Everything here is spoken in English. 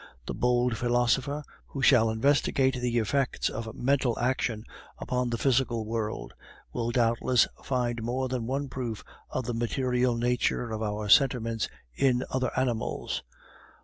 The bold philosopher who shall investigate the effects of mental action upon the physical world will doubtless find more than one proof of the material nature of our sentiments in other animals.